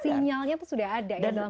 dan kenyalnya tuh sudah ada ya dalam hati